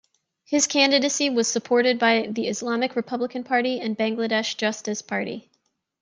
His candidacy was supported by the Islamic Republican party and Bangladesh Justice Party.